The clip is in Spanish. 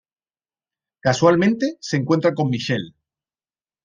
Casualmente, se encuentra con Michelle.